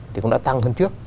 thì cũng đã tăng hơn trước